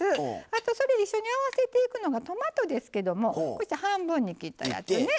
あとそれ一緒に合わせていくのがトマトですけどもこうして半分に切ったやつね